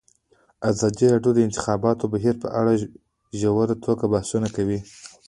ازادي راډیو د د انتخاباتو بهیر په اړه په ژوره توګه بحثونه کړي.